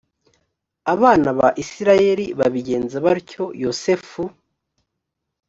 abana ba isirayeli babigenza batyo yosefu